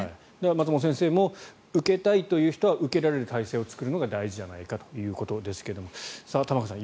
松本先生も受けたいという人は受けられる体制を作るのが大事じゃないかということですが玉川さん